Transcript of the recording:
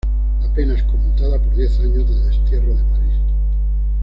La pena es conmutada por diez años de destierro de París.